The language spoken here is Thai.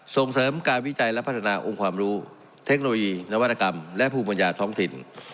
ส่งเสริมการวิจัยและพัฒนาองค์ความรู้เทคโนโลยีนวัตกรรมและภูมิปัญญาท้องถิ่น